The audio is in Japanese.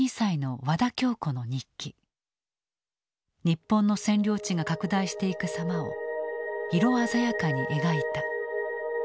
日本の占領地が拡大していく様を色鮮やかに描いた。